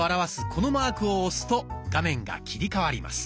このマークを押すと画面が切り替わります。